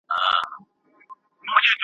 له عمرونو پکښي اوسم لا پردی راته مقام دی ,